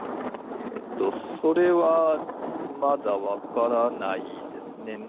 それはまだ分からないですね。